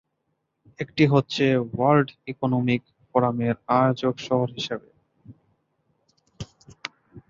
একটি হচ্ছে world economic ফোরামের আয়োজক শহর হিসেবে।